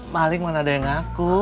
maling mana ada yang ngaku